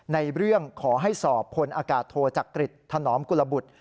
ในเรื่องขอให้สอบพลอากาศโทจักริตถนอมกุลบุตร